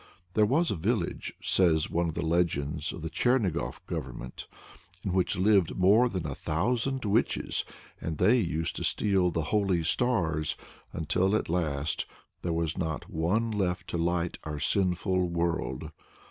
There was a village (says one of the legends of the Chernigof Government) in which lived more than a thousand witches, and they used to steal the holy stars, until at last "there was not one left to light our sinful world."